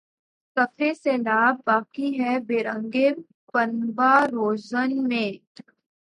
کفِ سیلاب باقی ہے‘ برنگِ پنبہ‘ روزن میں